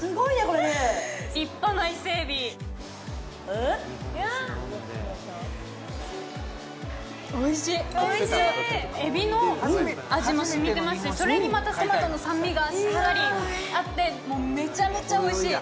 これね・立派なイセエビエビの味も染みてましてそれにまたトマトの酸味がしっかりあってもうめちゃめちゃおいしい！